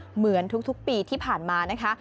เหมือนทุกปีที่ผ่านมานะคะ